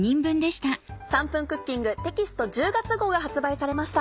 『３分クッキング』テキスト１０月号が発売されました。